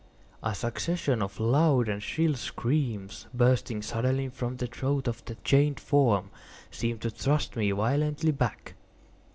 A succession of loud and shrill screams, bursting suddenly from the throat of the chained form, seemed to thrust me violently back.